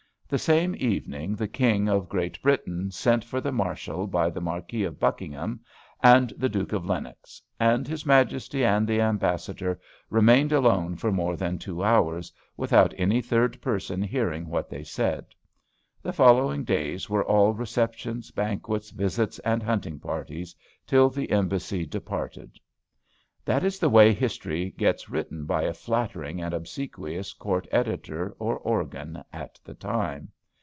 The same evening, the King of Great Britain sent for the Marshal by the Marquis of Buckingham and the Duke of Lennox; and his Majesty and the Ambassador remained alone for more than two hours, without any third person hearing what they said. The following days were all receptions, banquets, visits, and hunting parties, till the embassy departed." That is the way history gets written by a flattering and obsequious court editor or organ at the time.